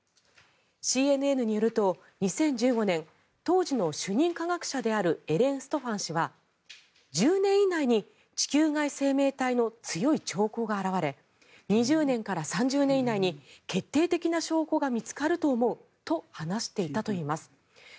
ＣＮＮによると２０１５年当時の主任科学者であるエレン・ストファン氏は１０年以内に地球外生命体の強い兆候が表れ２０年から３０年以内に決定的な証拠が見つかると思うと話していたといいます。